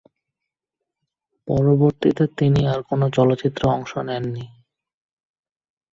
পরবর্তীতে তিনি আর কোনো চলচ্চিত্রে অংশ নেননি।